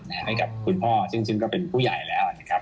ให้กับคุณพ่อซึ่งก็เป็นผู้ใหญ่แล้วนะครับ